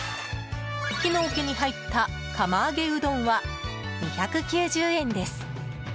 木の桶に入った釜揚げうどんは２９０円です。